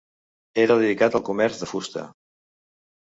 Era dedicat al comerç de fusta.